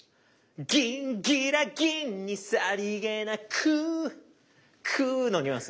「ギンギラギンにさりげなく」「くー」のニュアンス。